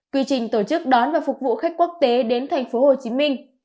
quy trình tổ chức đón và phục vụ khách quốc tế đến thành phố hồ chí minh